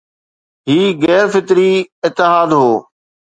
هي غير فطري اتحاد هو